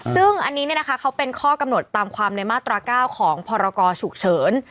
ซึ่งอันนี้เขาเป็นข้อกำหนดตามความในมาตรา๙ของพรกรฉุกเฉิน